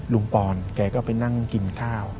ลุงปอนของเขาก็ไปนั่งกินข้าว